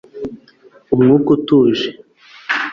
umwuka, utuje